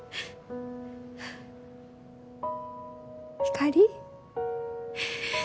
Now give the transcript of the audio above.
ひかり。